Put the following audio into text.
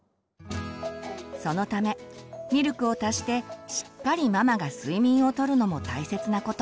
そのためミルクを足してしっかりママが睡眠をとるのも大切なこと。